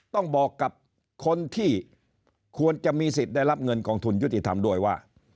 ต้องบอกกับคนที่ควรจะมีสิทธิ์ได้รับเงินกองทุนยุติธรรมด้วยว่า